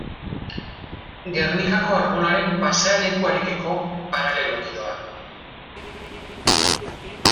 Gernikako Arbolaren pasealekuarekiko paraleloki doa.